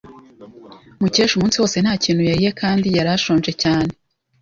Mukesha umunsi wose nta kintu yariye kandi yari ashonje cyane.